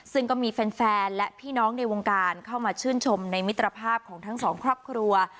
ซึ่งก็มีแฟนและพี่น้องในวงการเข้ามาชื่นชมในมิตรภาพของทั้งสองครอบครัว